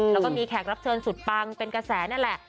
แล้วก็มีแขกรับเชิญสุดปังเป็นกระแสนั่นแหละ